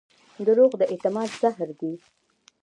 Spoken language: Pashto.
دروغ د اعتماد زهر دي.